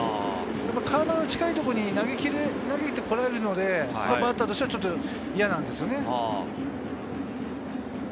体の近いところに投げてこられるので、バッターとしてはちょっと嫌なんですよね。